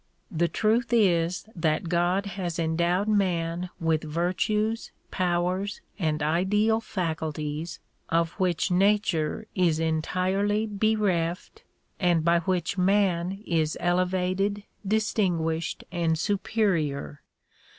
The truth is that God has endowed man with virtues, powers and ideal faculties of which nature is entirely bereft and by which man is elevated, distinguished and superior.